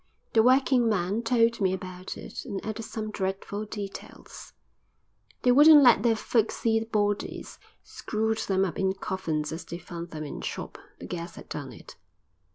The working man told me about it, and added some dreadful details. "They wouldn't let their folks see bodies; screwed them up in coffins as they found them in shop. The gas had done it."